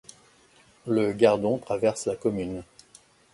Le Gardon traverse la commune.